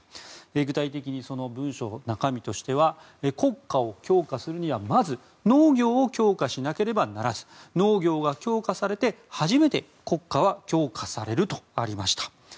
具体的にその文書、中身としては国家を強化するにはまず農業を強化しなければならず農業が強化されて初めて国家は強化されるとありました。